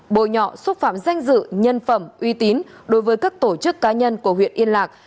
bồi nhọ xúc phạm danh dự nhân phẩm uy tín đối với các tổ chức cá nhân của huyện yên lạc